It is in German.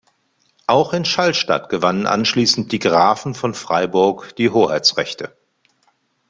Auch in Schallstadt gewannen anschließend die Grafen von Freiburg die Hoheitsrechte.